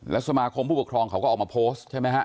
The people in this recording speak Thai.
สมาคมผู้ปกครองเขาก็ออกมาโพสต์ใช่ไหมฮะ